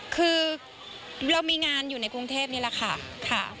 คือเรามีงานอยู่ในกรุงเทพนี่แหละค่ะ